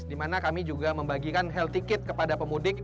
di mana kami juga membagikan health ticket kepada pemudik